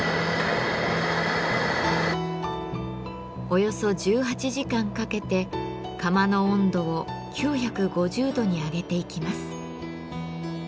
およそ１８時間かけて窯の温度を９５０度に上げていきます。